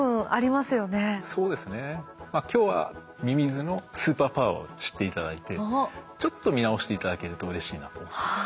まあ今日はミミズのスーパーパワーを知って頂いてちょっと見直して頂けるとうれしいなと思ってます。